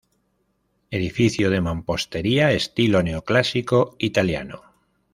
Edificio de mampostería estilo neoclásico italiano.